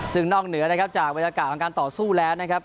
ซึ่งนอกเหนือนะครับจากบรรยากาศของการต่อสู้แล้วนะครับ